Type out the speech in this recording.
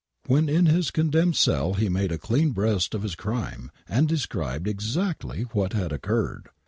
When in bis condemned cell he made a clean breast of his crime and described exactly what had occurred.